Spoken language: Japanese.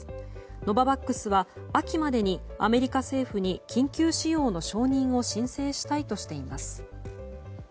ノババックスは秋までにアメリカ政府に緊急使用の承認を申請したいとしています。